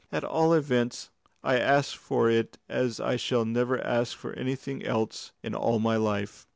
At all events I ask for it as I shall never ask for anything else in all my life."